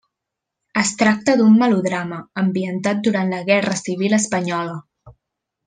Es tracta d'un melodrama ambientat durant la Guerra Civil Espanyola.